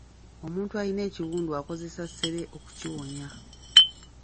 Omuntu alina ekiwundu akozesa ssere okukiwonya.